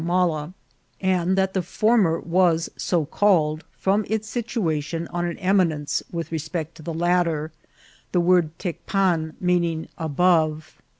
timala, and that the former was so called from its situa tion on an eminence with respect to the latter, the word Tecpan meaning " above."